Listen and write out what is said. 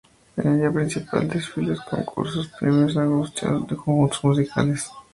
En el día principal: desfiles, concursos, premios, degustación, conjuntos musicales y baile.